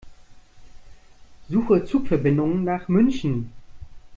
Suche Zugverbindungen nach München.